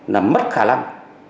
làm mất khả năng